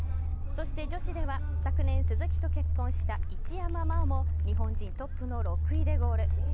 そして、女子では昨年、鈴木と結婚した一山麻緒も日本人トップの６位でゴール。